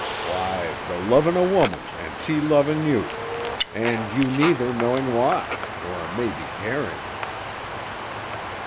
"Why, the loving a woman and she loving you, and you neither knowing why, nor maybe caring."